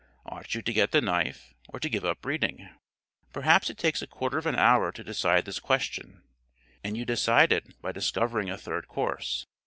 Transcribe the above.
Ought you to get the knife or to give up reading? Perhaps it takes a quarter of an hour to decide this question, and you decide it by discovering a third course.